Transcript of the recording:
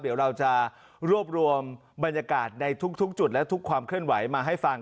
เดี๋ยวเราจะรวบรวมบรรยากาศในทุกจุดและทุกความเคลื่อนไหวมาให้ฟัง